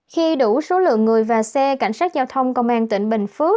khi đủ số lượng người và xe cảnh sát giao thông công an tỉnh bình phước